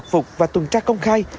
phục và tuần tra công khai